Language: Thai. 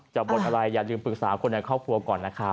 บ่นอะไรอย่าลืมปรึกษาคนในครอบครัวก่อนนะครับ